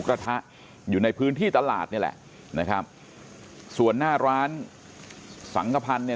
กระทะอยู่ในพื้นที่ตลาดนี่แหละนะครับส่วนหน้าร้านสังกภัณฑ์เนี่ย